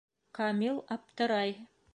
КАМИЛ АПТЫРАЙ